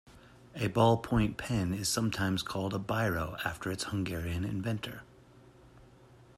A ballpoint pen is sometimes called a Biro, after its Hungarian inventor